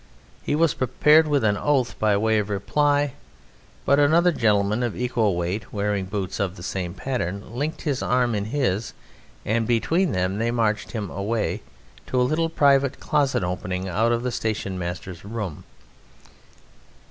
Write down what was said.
He was prepared with an oath by way of reply, but another gentleman of equal weight, wearing boots of the same pattern, linked his arm in his and between them they marched him away, to a little private closet opening out of the stationmaster's room.